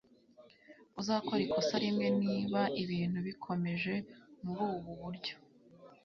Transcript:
uzakora ikosa rimwe niba ibintu bikomeje murubu buryo